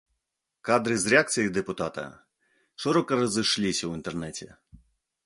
Кадры з рэакцыяй дэпутата шырока разышліся ў інтэрнэце.